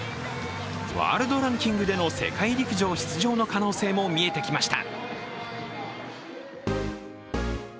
ワールドランキングでの世界陸上出場の可能性も見えてきました。